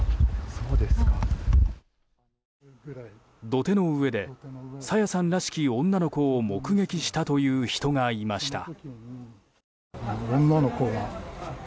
土手の上で朝芽さんらしき女の子を目撃したという人がいました。